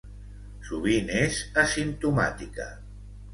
Sovint és asimptomàtica.